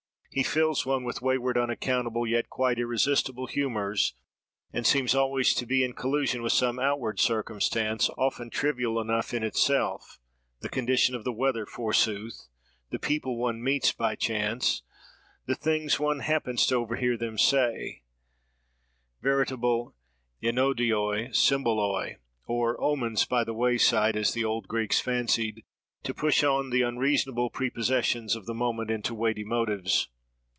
He fills one with wayward, unaccountable, yet quite irresistible humours, and seems always to be in collusion with some outward circumstance, often trivial enough in itself—the condition of the weather, forsooth!—the people one meets by chance—the things one happens to overhear them say, veritable enodioi symboloi,+ or omens by the wayside, as the old Greeks fancied—to push on the unreasonable prepossessions of the moment into weighty motives.